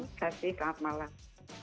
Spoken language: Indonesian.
terima kasih selamat malam